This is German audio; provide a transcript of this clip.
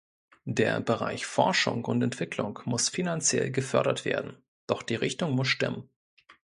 Der Bereich Forschung und Entwicklung muss finanziell gefördert werden, doch die Richtung muss stimmen.